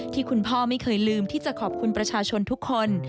ที่คุณพ่อไม่เคยลืมที่จะขอบคุณประชาชนทุกคน